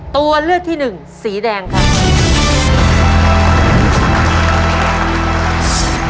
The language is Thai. ตัวเลือดที่๑สีแดงครับ